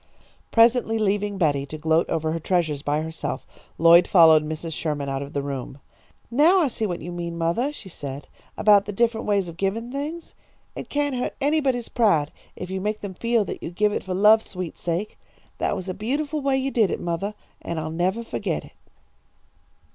Presently leaving Betty to gloat over her treasures by herself, Lloyd followed Mrs. Sherman out of the room. "Now I see what you meant, mothah," she said, "about the different ways of givin' things. It can't hurt anybody's pride if you make them feel that you give it for love's sweet sake. That was a beautiful way you did it, mothah, and I'll never fo'get it."